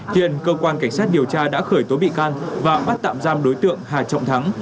hiện cơ quan cảnh sát điều tra đã khởi tố bị can và bắt tạm giam đối tượng hà trọng thắng